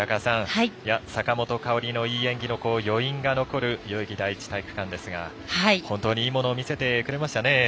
坂本花織のいい演技の余韻が残る代々木第一体育館ですが本当にいいものを見せてくれましたね。